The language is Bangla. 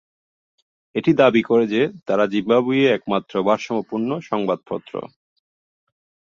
এটি দাবি করে যে, তারা জিম্বাবুয়ের একমাত্র ভারসাম্যপূর্ণ সংবাদপত্র।